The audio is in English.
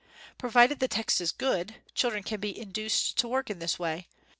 Provided the text is good, chil dren can be induced to work in this way.